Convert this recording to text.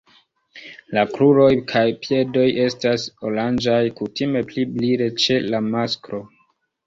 La kruroj kaj piedoj estas oranĝaj, kutime pli brile ĉe la masklo.